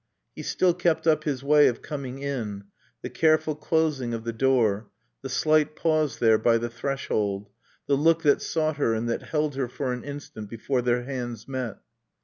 He still kept up his way of coming in, the careful closing of the door, the slight pause there by the threshold, the look that sought her and that held her for an instant before their hands met.